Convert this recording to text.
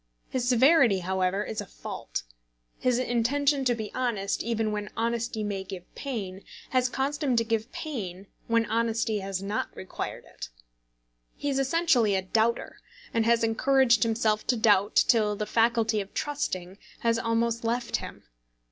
His severity, however, is a fault. His intention to be honest, even when honesty may give pain, has caused him to give pain when honesty has not required it. He is essentially a doubter, and has encouraged himself to doubt till the faculty of trusting has almost left him.